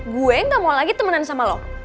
gue gak mau lagi temenan sama lo